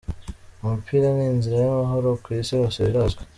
Umupira ni inzira y’amahoro ku isi hose biranzwi”.